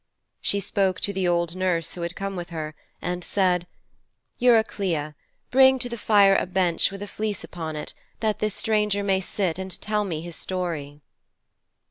She spoke to the old nurse who had come with her, and said, 'Eurycleia, bring to the fire a bench, with a fleece upon it, that this stranger may sit and tell me his story.'